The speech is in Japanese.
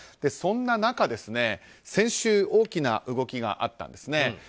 そんな中、先週大きな動きがあったんです。